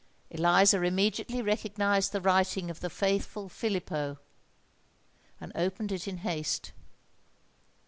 Eliza immediately recognised the writing of the faithful Filippo, and opened it in haste.